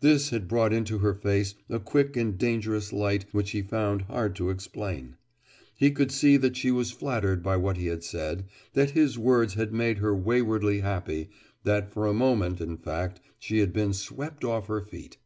This had brought into her face a quick and dangerous light which he found hard to explain. He could see that she was flattered by what he had said, that his words had made her waywardly happy, that for a moment, in fact, she had been swept off her feet.